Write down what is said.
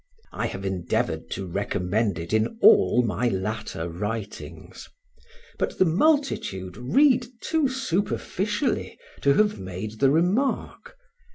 I have endeavored to recommend it in all my latter writings, but the multitude read too superficially to have made the remark.